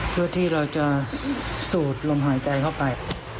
เพื่อที่เราจะสูดลมหายใจเข้าไป